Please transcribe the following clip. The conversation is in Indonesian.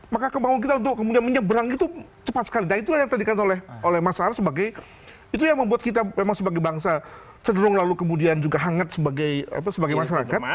maka kemauan kita untuk kemudian menyeberang itu cepat sekali nah itulah yang tadi kan oleh masyarakat sebagai itu yang membuat kita memang sebagai bangsa cenderung lalu kemudian juga hangat sebagai masyarakat